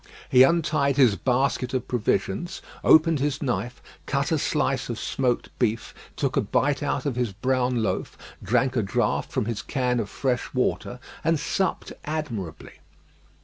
He untied his basket of provisions, opened his knife, cut a slice of smoked beef, took a bite out of his brown loaf, drank a draught from his can of fresh water, and supped admirably.